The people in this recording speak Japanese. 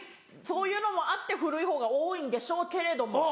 そういうのもあって古いほうが多いんでしょうけれども。